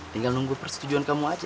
tinggal nunggu persetujuan kamu aja